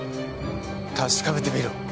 確かめてみろ。